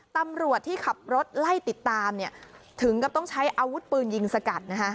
ตำรวจที่ขับรถไล่ติดตามถึงกับต้องใช้อาวุธปืนยิงสกัดนะฮะ